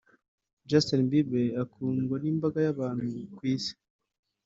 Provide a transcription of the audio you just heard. Justin Bieber akundwa n’imbaga y’abantu ku isi